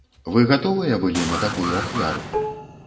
Вы гатовыя былі на такую ахвяру?